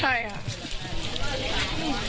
ใช่ค่ะ